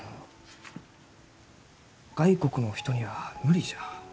外国のお人には無理じゃ。